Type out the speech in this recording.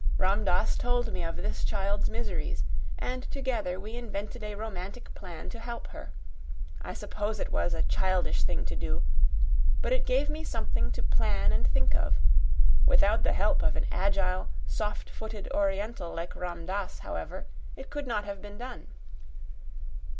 Ram Dass told me of this child's miseries, and together we invented a romantic plan to help her. I suppose it was a childish thing to do; but it gave me something to plan and think of. Without the help of an agile, soft footed Oriental like Ram Dass, however, it could not have been done."